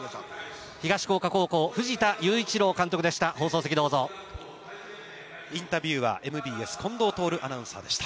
東福岡高校、藤田雄一郎監督でした。